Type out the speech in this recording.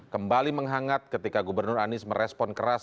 kembali menghangat ketika gubernur anies merespon keras